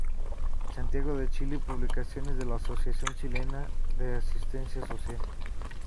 Santiago de Chile: Publicaciones de la Asociación Chilena de Asistencia Social.